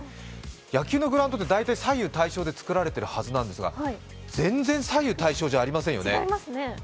野球のグラウンドってだいたい左右対称で造られてるはずなんでてすが全然左右対称じゃありませんよね。